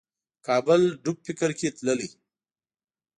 کابل ډوب فکر کې تللی